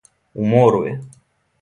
У мору је.